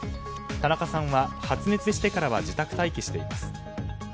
田中さんは発熱してからは自宅待機しています。